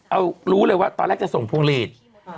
เอารู้เลยว่าตอนแรกจะส่งพวงหลีด